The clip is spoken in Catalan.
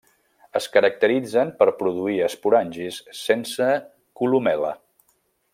Es caracteritzen per produir esporangis sense columel·la.